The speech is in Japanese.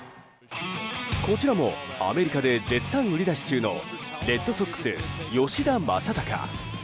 こちらもアメリカで絶賛売り出し中のレッドソックス、吉田正尚。